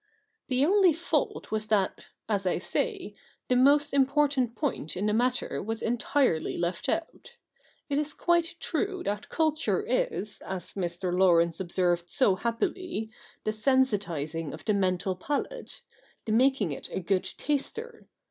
The only fault was that, as I say, the most important point in the matter was entirely left out. It is quite true that culture is, as Mr. Laurence observed so happily, the sensitising of the mental palate — the making it a good taster.